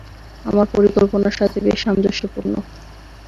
আমার পরিকল্পনার সাথে বেশ সামঞ্জস্যপূর্ণ।